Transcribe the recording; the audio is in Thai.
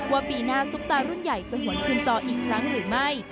ปีหน้าซุปตารุ่นใหญ่จะหวนคืนจออีกครั้งหรือไม่